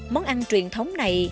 món ăn truyền thống này